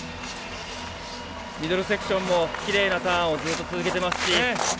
ミドルセクションもきれいなターンをずっと続けてます。